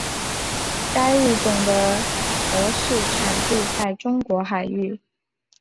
该物种的模式产地在中国海域。